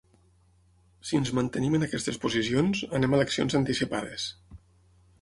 Si ens mantenim en aquestes posicions, anem a eleccions anticipades.